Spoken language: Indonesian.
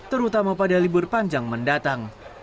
terutama pada libur panjang mendatang